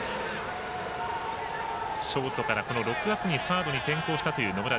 ショートから６月にサードに転向したという、野村。